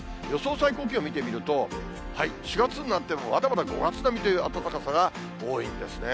最高気温見てみると、４月になってもまだまだ５月並みという暖かさが多いんですね。